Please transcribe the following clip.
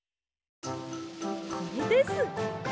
これです！